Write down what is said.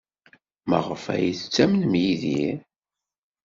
Maɣef ay tettamnem Yidir?